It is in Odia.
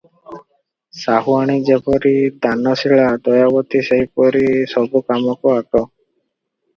ସାହୁଆଣୀ ଯେପରି ଦାନଶୀଳା, ଦୟାବତୀ - ସେହିପରି ସବୁ କାମକୁ ଆଗ ।